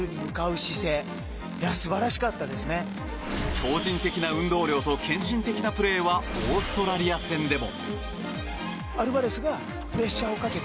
超人的な運動量と献身的なプレーはオーストラリア戦でも。